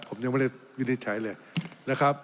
ผมยังไม่ได้ยินมีเข่าถอยเลยนะครับ